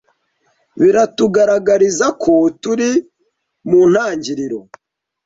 biratugaragariza ko turi mu ntangiriro